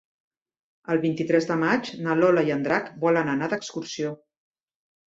El vint-i-tres de maig na Lola i en Drac volen anar d'excursió.